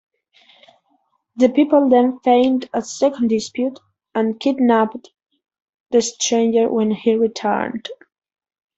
The people then feigned a second dispute and kidnapped the stranger when he returned.